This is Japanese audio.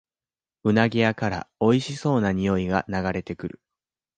うなぎ屋からおいしそうなにおいが流れてくる